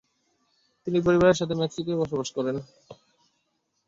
তিনি তার পরিবারের সাথে মেক্সিকোয় বসবাস করেন।